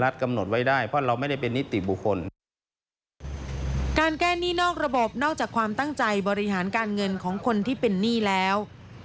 สมาชิกของคนที่เป็นหนี้แล้ว